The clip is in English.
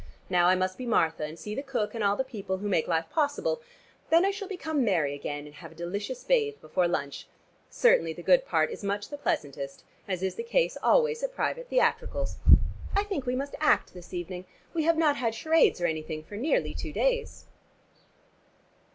Now I must be Martha, and see the cook and all the people who make life possible. Then I shall become Mary again and have a delicious bathe before lunch. Certainly the good part is much the pleasantest, as is the case always at private theatricals. I think we must act this evening: we have not had charades or anything for nearly two days."